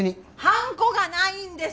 はんこがないんです！